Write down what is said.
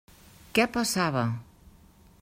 Què passava?